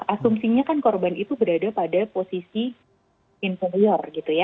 asumsinya kan korban itu berada pada posisi inferior gitu ya